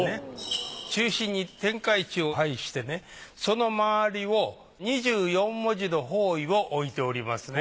中心に天下一を配してねその周りを２４文字の方位を置いておりますね。